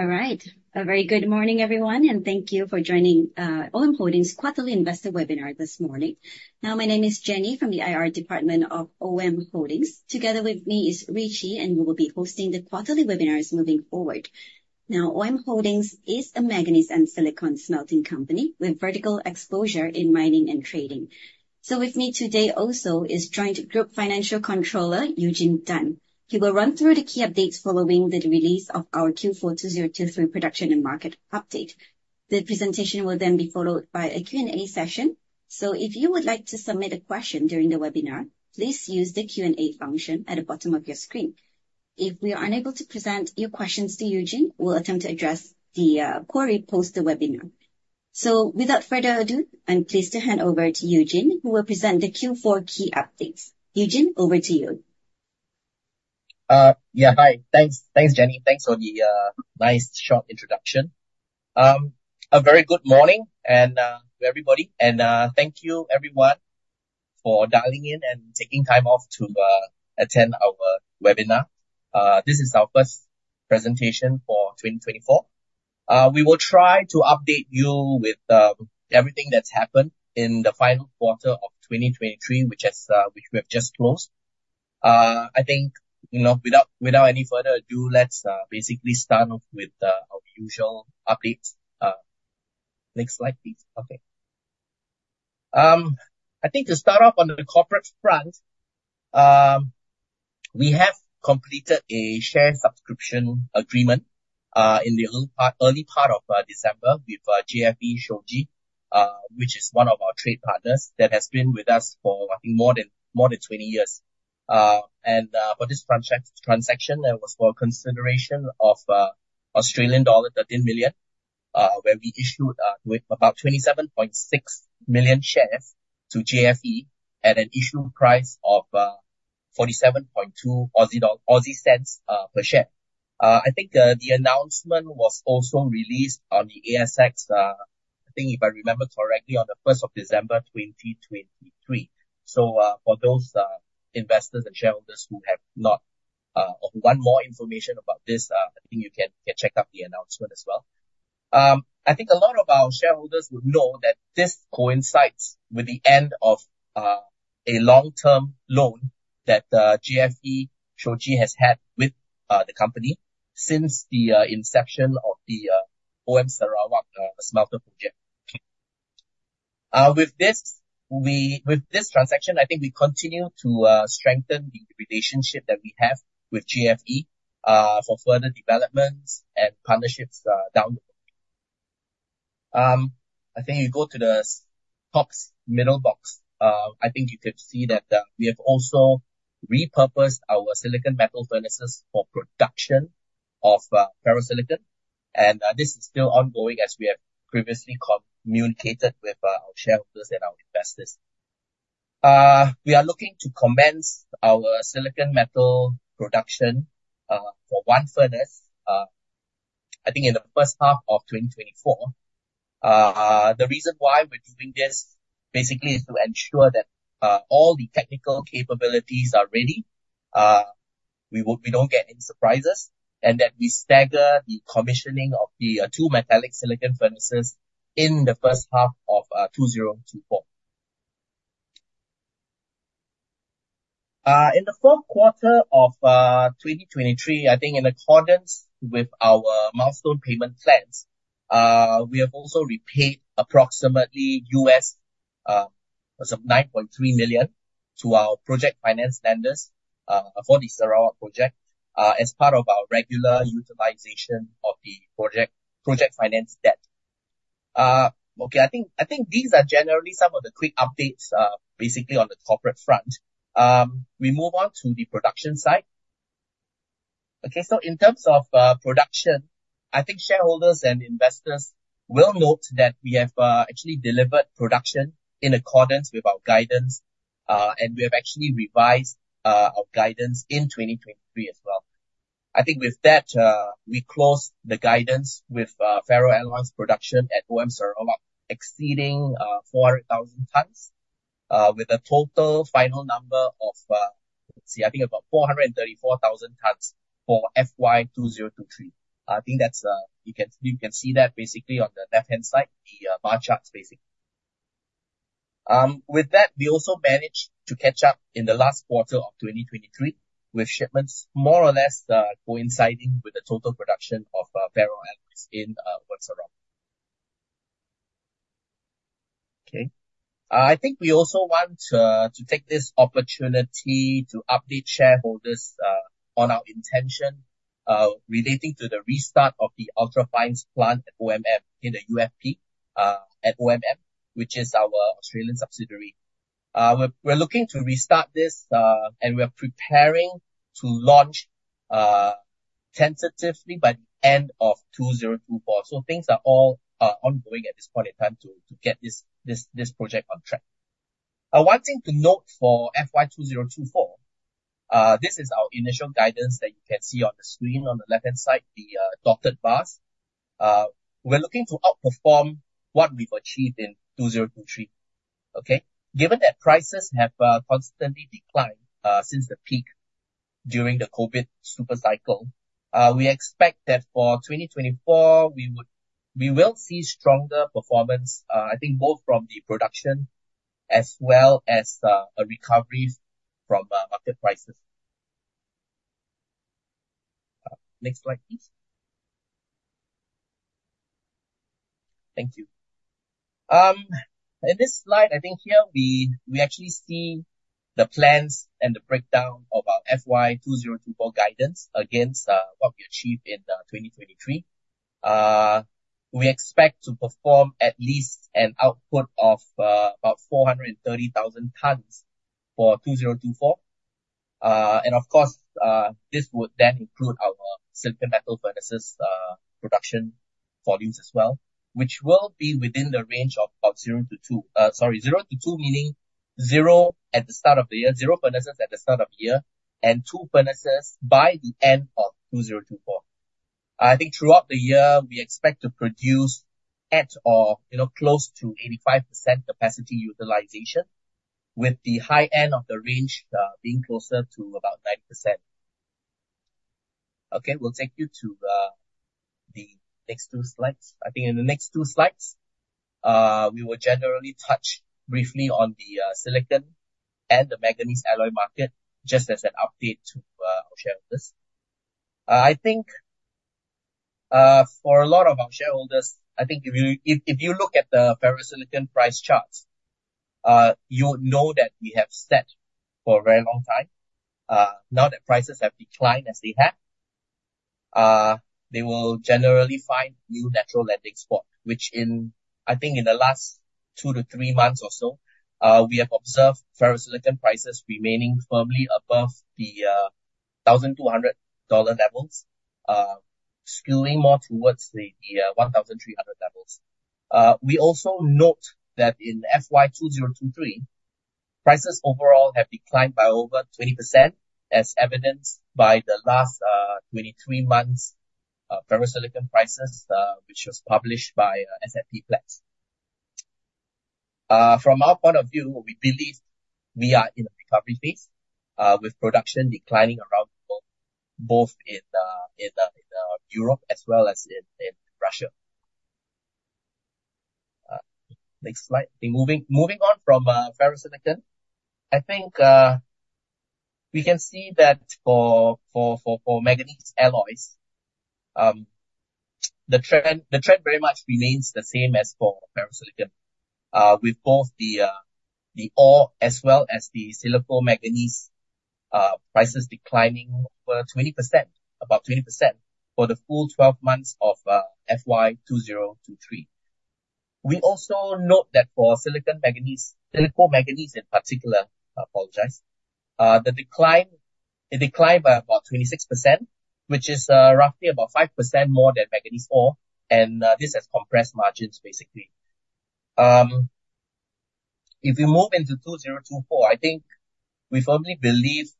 All right. A very good morning, everyone, and thank you for joining OM Holdings Quarterly Investor Webinar this morning. Now, my name is Jenny from the IR department of OM Holdings. Together with me is Richie, and we will be hosting the quarterly webinars moving forward. Now, OM Holdings is a manganese and silicon smelting company with vertical exposure in mining and trading. So with me today also is Joint Group Financial Controller, Eugene Tan. He will run through the key updates following the release of our Q4 2023 production and market update. The presentation will then be followed by a Q&A session. So if you would like to submit a question during the webinar, please use the Q&A function at the bottom of your screen. If we are unable to present your questions to Eugene, we'll attempt to address the query post the webinar. Without further ado, I'm pleased to hand over to Eugene, who will present the Q4 key updates. Eugene, over to you. Yeah, hi. Thanks. Thanks, Jenny. Thanks for the nice, short introduction. A very good morning and to everybody, and thank you everyone for dialing in and taking time off to attend our webinar. This is our first presentation for 2024. We will try to update you with everything that's happened in the final quarter of 2023, which has-- which we have just closed. I think, you know, without any further ado, let's basically start off with our usual updates. Next slide, please. Okay. I think to start off on the corporate front, we have completed a share subscription agreement in the early part of December with JFE Shoji, which is one of our trade partners that has been with us for, I think more than 20 years. And for this transaction, that was for consideration of Australian dollar 13 million, where we issued with about 27.6 million shares to JFE at an issue price of 0.472 per share. I think the announcement was also released on the ASX, I think if I remember correctly, on the first of December 2023. So, for those investors and shareholders who have not or want more information about this, I think you can check out the announcement as well. I think a lot of our shareholders would know that this coincides with the end of a long-term loan that JFE Shoji has had with the company since the inception of the OM Sarawak smelter project. With this transaction, I think we continue to strengthen the relationship that we have with JFE for further developments and partnerships down the road. I think you go to the top middle box. I think you could see that we have also repurposed our silicon metal furnaces for production of ferrosilicon, and this is still ongoing, as we have previously communicated with our shareholders and our investors. We are looking to commence our silicon metal production for one furnace, I think in the first half of 2024. The reason why we're doing this, basically, is to ensure that all the technical capabilities are ready, we don't get any surprises, and that we stagger the commissioning of the two metallic silicon furnaces in the first half of 2024. In the fourth quarter of 2023, I think in accordance with our milestone payment plans, we have also repaid approximately $9.3 million to our project finance lenders for the Sarawak project as part of our regular utilization of the project finance debt. Okay, I think these are generally some of the quick updates, basically on the corporate front. We move on to the production side. Okay, so in terms of production, I think shareholders and investors will note that we have actually delivered production in accordance with our guidance, and we have actually revised our guidance in 2023 as well. I think with that, we closed the guidance with ferroalloy production at OM Sarawak, exceeding 400,000 tons, with a total final number of, let's see, I think about 434,000 tons for FY 2023. I think that's you can, you can see that basically on the left-hand side, the bar chart basically. With that, we also managed to catch up in the last quarter of 2023, with shipments more or less coinciding with the total production of ferroalloys in Sarawak. Okay. I think we also want to take this opportunity to update shareholders on our intention relating to the restart of the Ultra Fines Plant at OMF in the UFP at OMF, which is our Australian subsidiary. We're looking to restart this, and we're preparing to launch, tentatively by the end of 2024. So things are all ongoing at this point in time to get this project on track. One thing to note for FY 2024, this is our initial guidance that you can see on the screen, on the left-hand side, the dotted bars. We're looking to outperform what we've achieved in 2023.... Okay? Given that prices have constantly declined since the peak during the COVID super cycle, we expect that for 2024, we would-- we will see stronger performance, I think both from the production as well as a recoveries from market prices. Next slide, please. Thank you. In this slide, I think here we actually see the plans and the breakdown of our FY 2024 guidance against what we achieved in 2023. We expect to perform at least an output of about 430,000 tons for 2024. And of course, this would then include our silicon metal furnaces production volumes as well, which will be within the range of about zero to two, meaning zero at the start of the year, zero furnaces at the start of the year, and two furnaces by the end of 2024. I think throughout the year, we expect to produce at or, you know, close to 85% capacity utilization, with the high end of the range being closer to about 90%. Okay, we'll take you to the next two slides. I think in the next two slides, we will generally touch briefly on the silicon and the manganese alloy market, just as an update to our shareholders. I think for a lot of our shareholders, I think if you look at the ferrosilicon price charts, you would know that we have set for a very long time. Now that prices have declined as they have, they will generally find new natural landing spot, which in I think in the last two to three months or so, we have observed ferrosilicon prices remaining firmly above the $1,200 levels, skewing more towards the $1,300 levels. We also note that in FY 2023, prices overall have declined by over 20%, as evidenced by the last 23 months ferrosilicon prices, which was published by S&P Platts. From our point of view, we believe we are in a recovery phase, with production declining around the world, both in Europe as well as in Russia. Next slide. Moving on from ferrosilicon, I think we can see that for manganese alloys, the trend very much remains the same as for ferrosilicon. With both the ore as well as the silicomanganese prices declining over 20%, about 20%, for the full 12 months of FY 2023. We also note that for silicon manganese, silicomanganese in particular, I apologize, the decline, it declined by about 26%, which is, roughly about 5% more than manganese ore, and, this has compressed margins, basically. If we move into 2024, I think we firmly believe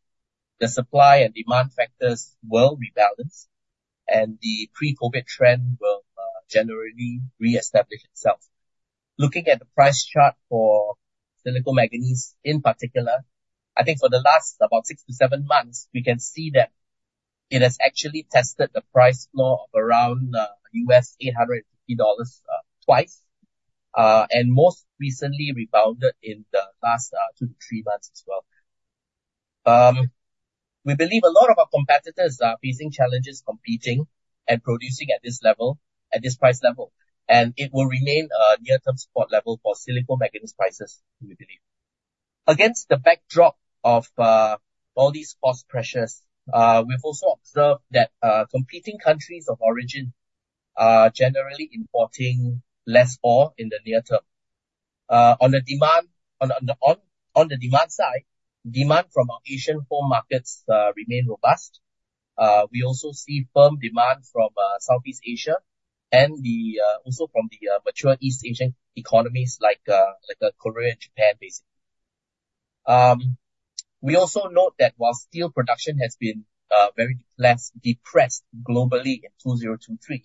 the supply and demand factors will rebalance, and the pre-COVID trend will, generally reestablish itself. Looking at the price chart for silicomanganese in particular, I think for the last about six to seven months, we can see that it has actually tested the price floor of around, U.S. $850, twice, and most recently rebounded in the last, two to three months as well. We believe a lot of our competitors are facing challenges competing and producing at this level, at this price level, and it will remain a near-term support level for silicomanganese prices, we believe. Against the backdrop of all these cost pressures, we've also observed that competing countries of origin are generally importing less ore in the near term. On the demand side, demand from our Asian home markets remain robust. We also see firm demand from Southeast Asia and also from the mature East Asian economies, like Korea and Japan, basically. We also note that while steel production has been very less depressed globally in 2023,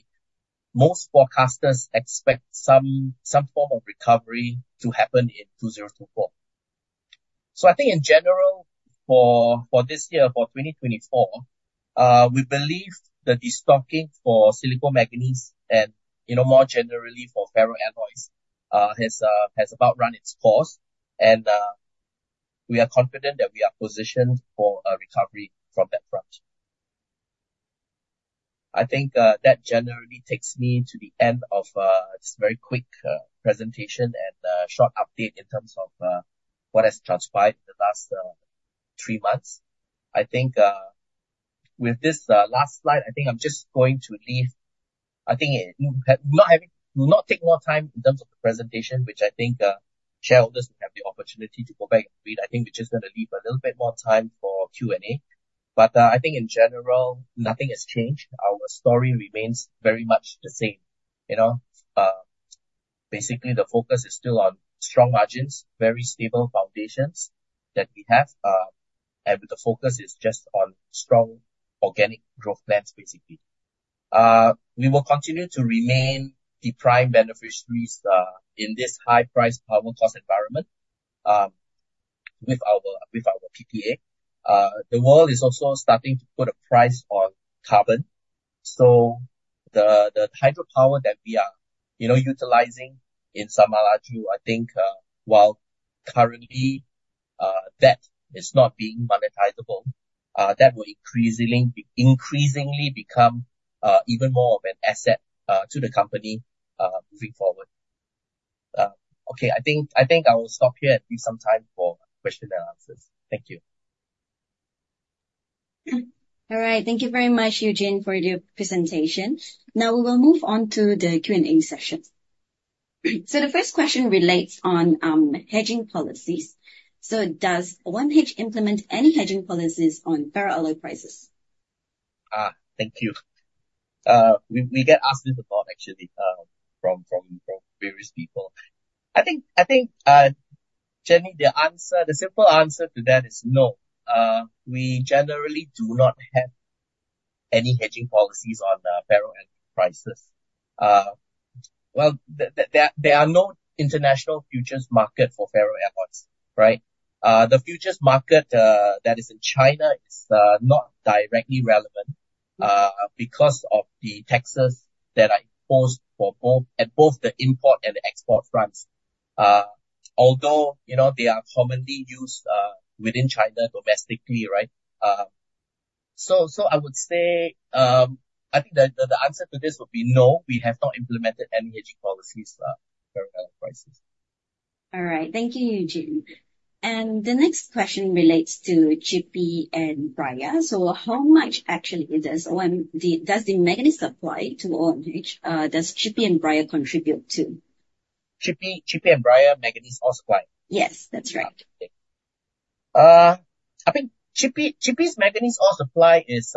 most forecasters expect some form of recovery to happen in 2024. So I think in general, for this year, for 2024, we believe the destocking for silicomanganese and, you know, more generally for ferroalloys, has about run its course, and we are confident that we are positioned for a recovery from that front. I think that generally takes me to the end of this very quick presentation and short update in terms of what has transpired in the last three months. I think with this last slide, I think I'm just going to leave. I think it—not having, not take more time in terms of the presentation, which I think shareholders will have the opportunity to go back and read. I think we're just going to leave a little bit more time for Q&A. But I think in general, nothing has changed. Our story remains very much the same, you know? Basically, the focus is still on strong margins, very stable foundations that we have, and the focus is just on strong organic growth plans, basically. We will continue to remain the prime beneficiaries in this high-price power cost environment, with our PPA. The world is also starting to put a price on carbon, so the hydropower that we are, you know, utilizing in Samalaju, I think, while currently that is not being monetizable, that will increasingly, increasingly become even more of an asset to the company moving forward. Okay, I think I will stop here and leave some time for question and answers. Thank you. All right. Thank you very much, Eugene, for your presentation. Now we will move on to the Q&A session. So the first question relates on hedging policies. So does OMH implement any hedging policies on ferroalloy prices? Thank you. We get asked this a lot, actually, from various people. I think, Jenny, the simple answer to that is no. We generally do not have any hedging policies on the ferroalloy prices. Well, there are no international futures market for ferroalloys, right? The futures market that is in China is not directly relevant because of the taxes that are imposed at both the import and export fronts. Although, you know, they are commonly used within China domestically, right? So, I would say, I think the answer to this would be no, we have not implemented any hedging policies for ferroalloy prices. All right. Thank you, Eugene. And the next question relates to Tshipi and Bryah. So how much actually does OM... Does the manganese supply to OMH, does Tshipi and Bryah contribute to? Tshipi, Tshipi and Bryah, manganese ore supply? Yes, that's right. I think Tshipi's manganese ore supply is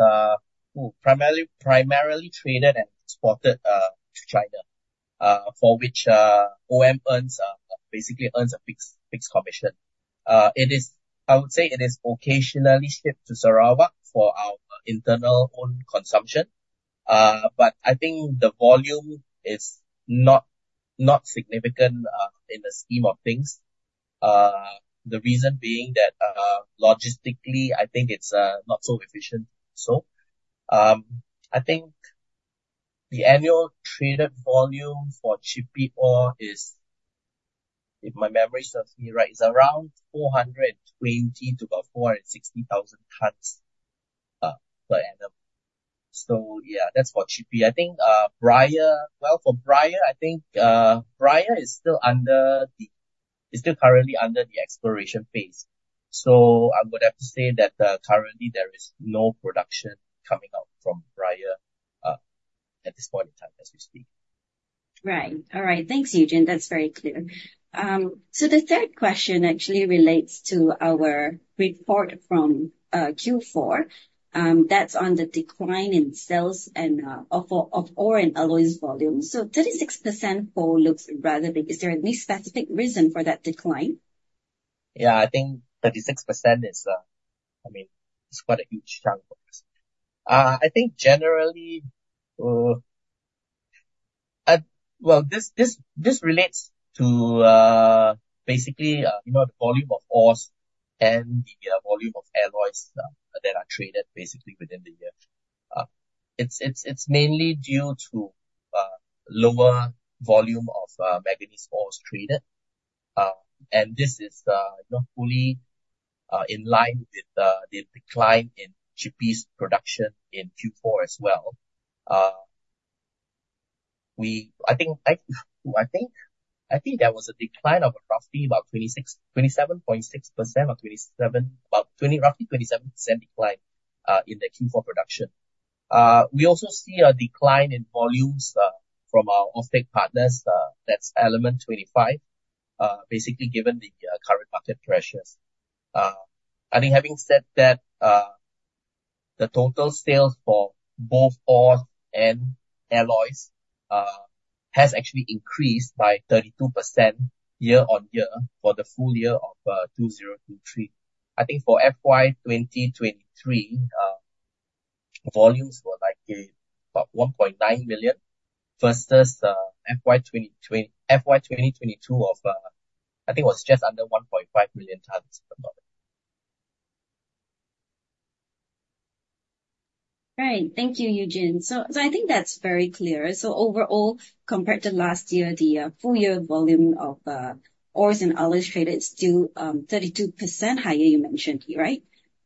primarily traded and exported to China for which OM earns basically a fixed commission. It is. I would say it is occasionally shipped to Sarawak for our internal own consumption but I think the volume is not significant in the scheme of things. The reason being that logistically, I think it's not so efficient. So, I think the annual traded volume for Tshipi ore is, if my memory serves me right, around 420,000 tons-460,000 tons per annum. So yeah, that's for Tshipi. I think Bryah, well, for Bryah, I think Bryah is still under the... is still currently under the exploration phase. I would have to say that currently there is no production coming out from Bryah at this point in time, as we speak. Right. All right. Thanks, Eugene. That's very clear. So the third question actually relates to our report from Q4. That's on the decline in sales and of ore and alloys volume. So 36% fall looks rather big. Is there any specific reason for that decline? Yeah, I think 36% is, I mean, it's quite a huge chunk. I think generally, at... Well, this relates to, basically, you know, the volume of ores and the volume of alloys that are traded basically within the year. It's mainly due to lower volume of manganese ores traded, and this is not fully in line with the decline in Tshipi's production in Q4 as well. We think there was a decline of roughly about 26%, 27.6% or 27%, about 20%, roughly 27% decline in the Q4 production. We also see a decline in volumes from our off-take partners, that's Element 25, basically given the current market pressures. I think having said that, the total sales for both ores and alloys has actually increased by 32% year-on-year for the full year of 2023. I think for FY 2023, volumes were like about 1.9 million, versus FY 2022 of I think it was just under 1.5 million tons per annum. Great. Thank you, Eugene. So I think that's very clear. So overall, compared to last year, the full year volume of ores and alloys traded stood 32% higher, you mentioned, right?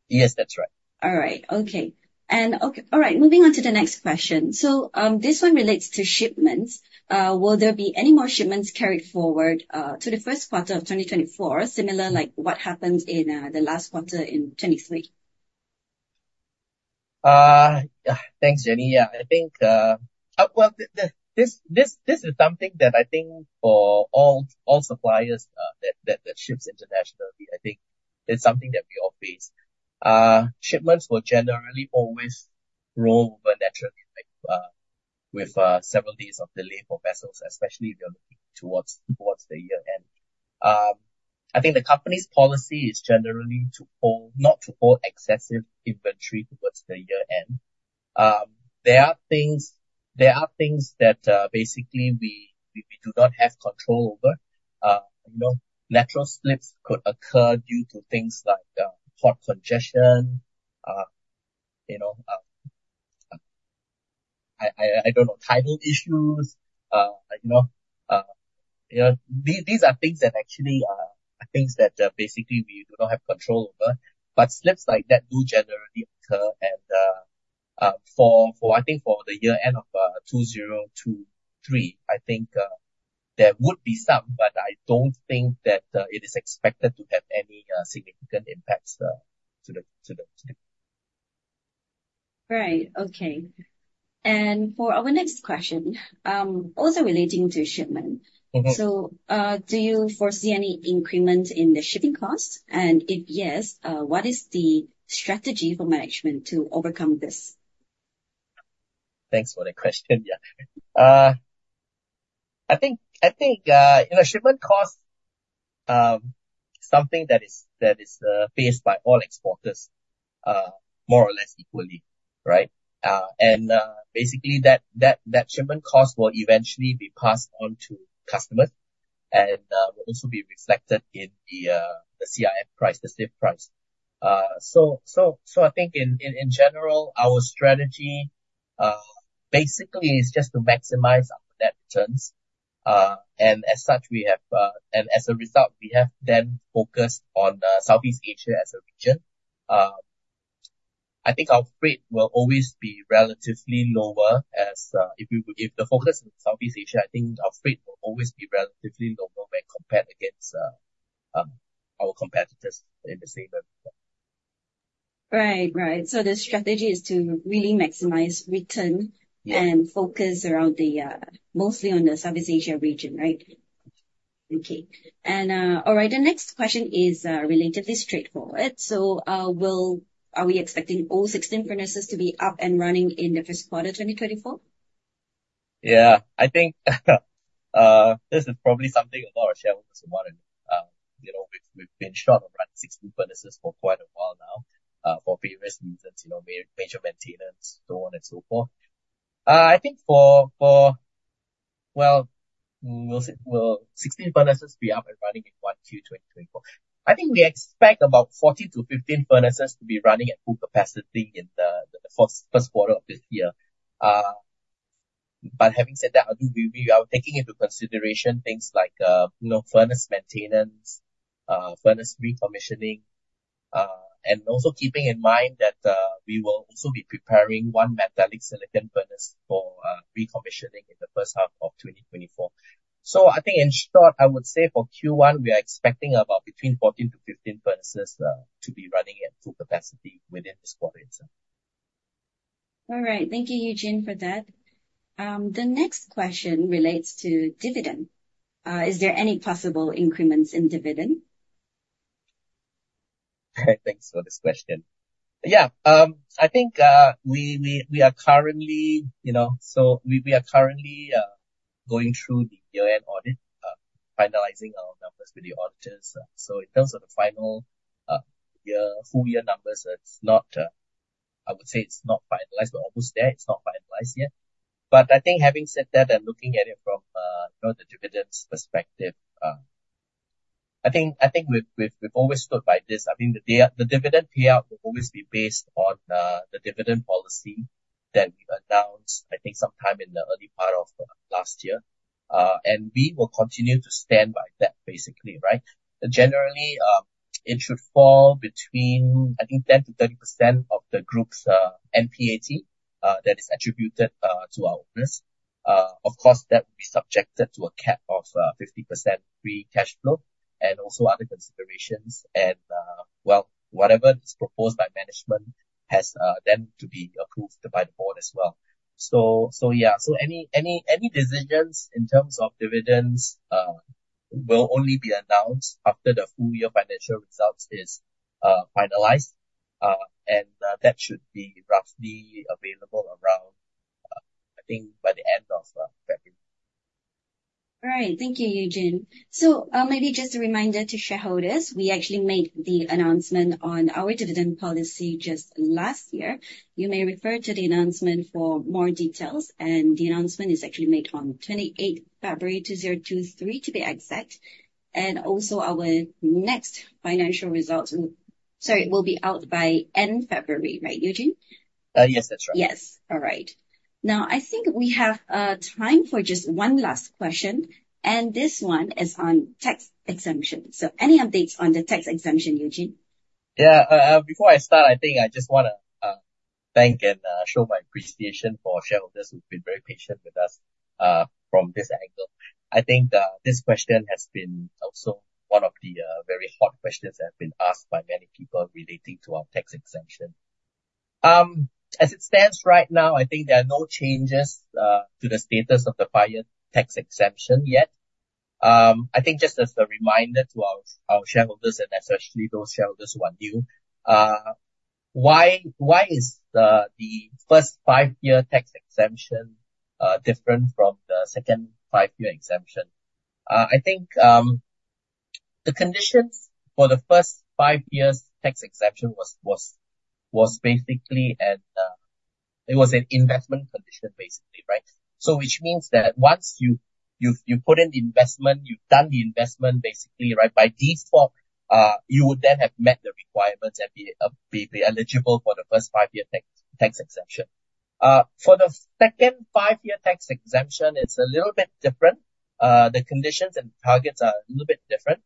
Yes, that's right. All right. Okay. All right, moving on to the next question. So, this one relates to shipments. Will there be any more shipments carried forward to the first quarter of 2024, similar, like what happened in the last quarter in 2023? Yeah. Thanks, Jenny. Yeah, I think, well, this is something that I think for all suppliers that ships internationally, I think it's something that we all face. Shipments will generally always roll over naturally, with several days of delay for vessels, especially if they're looking towards the year end. I think the company's policy is generally to hold, not to hold excessive inventory towards the year end. There are things that basically we do not have control over. You know, natural slips could occur due to things like port congestion, you know, I don't know, title issues. You know, these are things that actually are things that basically we do not have control over. But slips like that do generally occur, and for the year end of 2023, I think there would be some, but I don't think that it is expected to have any significant impacts to the, to the- Right. Okay. And for our next question, also relating to shipment. Mm-hmm. Do you foresee any increment in the shipping cost? And if yes, what is the strategy for management to overcome this? Thanks for the question. Yeah. I think, you know, shipment cost, something that is, that is, faced by all exporters, more or less equally, right? And, basically, that, that, that shipment cost will eventually be passed on to customers and, will also be reflected in the, the CIF price, the CIF price. So, I think in, in, in general, our strategy, basically is just to maximize our net returns. And as such, we have, and as a result, we have then focused on, Southeast Asia as a region. I think our freight will always be relatively lower as, if we, if the focus is Southeast Asia, I think our freight will always be relatively lower when compared against, our competitors in the same way. Right. Right. So the strategy is to really maximize return- Yeah. -and focus around the mostly on the Southeast Asia region, right? Okay. All right, the next question is relatively straightforward. So, will... Are we expecting all 16 furnaces to be up and running in the first quarter of 2024? Yeah. I think this is probably something a lot of shareholders are wanting. You know, we've, we've been short of running 16 furnaces for quite a while now, for various reasons, you know, ma-major maintenance, so on and so forth. I think for, for... Well, we'll see, will 16 furnaces be up and running in Q2 2024? I think we expect about 14-15 furnaces to be running at full capacity in the, the first quarter of this year. But having said that, I do believe we are taking into consideration things like, you know, furnace maintenance, furnace recommissioning, and also keeping in mind that, we will also be preparing one metallic silicon furnace for, recommissioning in the first half of 2024. I think in short, I would say for Q1, we are expecting about between 14-15 furnaces to be running at full capacity within this quarter itself. All right. Thank you, Eugene, for that. The next question relates to dividend. Is there any possible increments in dividend? Thanks for this question. Yeah, I think we are currently, you know, so we are currently going through the year-end audit, finalizing our numbers with the auditors. So in terms of the final year, full year numbers, it's not, I would say it's not finalized. We're almost there, it's not finalized yet. But I think having said that and looking at it from, you know, the dividends perspective, I think we've always stood by this. I think the dividend payout will always be based on the dividend policy that we've announced, I think sometime in the early part of last year. And we will continue to stand by that basically, right? Generally, it should fall between, I think, 10%-30% of the group's NPAT that is attributed to our owners. Of course, that will be subjected to a cap of 50% free cash flow and also other considerations. Well, whatever is proposed by management has then to be approved by the board as well. So yeah. So any decisions in terms of dividends will only be announced after the full year financial results is finalized. And that should be roughly available around, I think by the end of February. All right. Thank you, Eugene. So, maybe just a reminder to shareholders, we actually made the announcement on our dividend policy just last year. You may refer to the announcement for more details, and the announcement is actually made on 28th February 2023, to be exact. Also our next financial results, sorry, will be out by end February. Right, Eugene? Yes, that's right. Yes. All right. Now, I think we have time for just one last question, and this one is on tax exemption. So any updates on the tax exemption, Eugene? Yeah. Before I start, I think I just want to thank and show my appreciation for our shareholders who've been very patient with us from this angle. I think this question has been also one of the very hot questions that have been asked by many people relating to our tax exemption. As it stands right now, I think there are no changes to the status of the prior tax exemption yet. I think just as a reminder to our shareholders, and especially those shareholders who are new... Why is the first five-year tax exemption different from the second five-year exemption? I think the conditions for the first five years tax exemption was basically an investment condition, basically, right? So which means that once you, you've put in the investment, you've done the investment, basically, right, by default, you would then have met the requirements and be eligible for the first five-year tax exemption. For the second five-year tax exemption, it's a little bit different. The conditions and targets are a little bit different.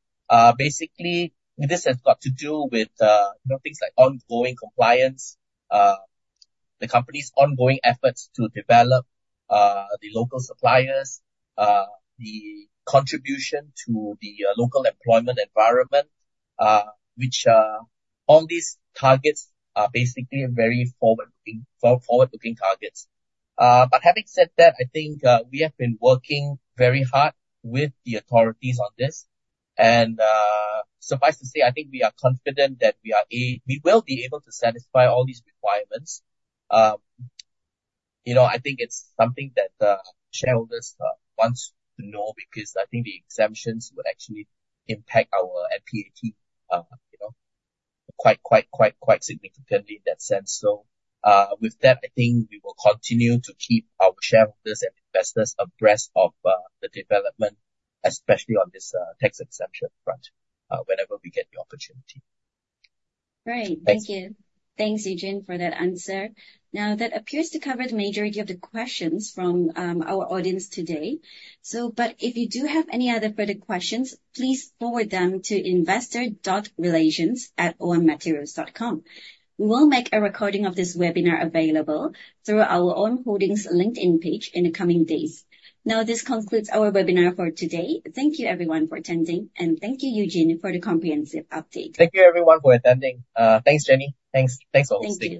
Basically, this has got to do with, you know, things like ongoing compliance, the company's ongoing efforts to develop the local suppliers, the contribution to the local employment environment, which all these targets are basically very forward-looking targets. But having said that, I think we have been working very hard with the authorities on this, and suffice to say, I think we are confident that we are a... We will be able to satisfy all these requirements. You know, I think it's something that shareholders wants to know, because I think the exemptions will actually impact our NPAT, you know, quite significantly in that sense. So, with that, I think we will continue to keep our shareholders and investors abreast of the development, especially on this tax exemption front, whenever we get the opportunity. Great. Thanks. Thank you. Thanks, Eugene, for that answer. Now, that appears to cover the majority of the questions from our audience today. So, but if you do have any other further questions, please forward them to investor.relations@ommaterials.com. We will make a recording of this webinar available through our OM Holdings LinkedIn page in the coming days. Now, this concludes our webinar for today. Thank you, everyone, for attending, and thank you, Eugene, for the comprehensive update. Thank you, everyone, for attending. Thanks, Jenny. Thanks. Thanks, all. See you.